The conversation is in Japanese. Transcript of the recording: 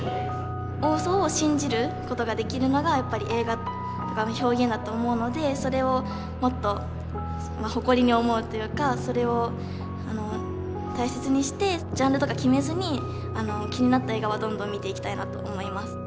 大ウソを信じる事ができるのがやっぱり映画とかの表現だと思うのでそれをもっと誇りに思うっていうかそれを大切にしてジャンルとか決めずに気になった映画はどんどん見ていきたいなと思います。